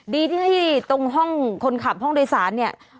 ดีที่ที่ตรงห้องคนขับห้องโดยศาสตร์นี้